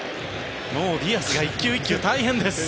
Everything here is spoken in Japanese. もうディアスが１球１球大変です。